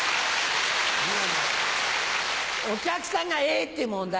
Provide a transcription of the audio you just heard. お客さんが「え！」って問題。